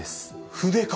筆か。